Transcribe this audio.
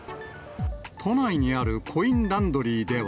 都内にあるコインランドリーでは。